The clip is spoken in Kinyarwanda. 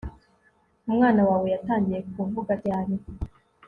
Umwana wawe yatangiye kuvuga ryari